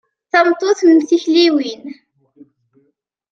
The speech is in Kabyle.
Tameṭṭut mm tikliwin.